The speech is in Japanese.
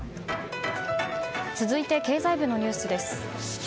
続いて、経済部のニュースです。